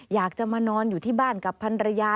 อยากจะมานอนอยู่ที่บ้านกับพันรยา